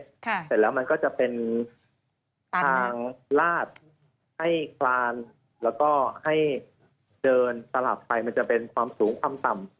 เสร็จแล้วมันก็จะเป็นทางลาดให้คลานแล้วก็ให้เดินสลับไปมันจะเป็นความสูงความต่ำ